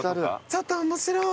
ちょっと面白い。